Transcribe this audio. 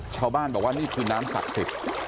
ชาวบ้านบอกว่านี่คือน้ำสักสิบ